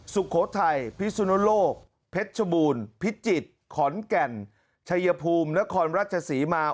สุโขทัยพิสุนโลกเพชรชบูรณ์พิจิตรขอนแก่นชัยภูมินครราชศรีมา